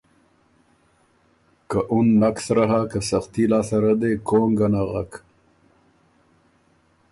که اُن نک سرۀ هۀ که سختي لاسته ره دې کونګه نغک۔